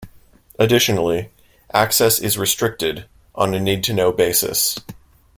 Additionally, access is restricted on a "need to know" basis.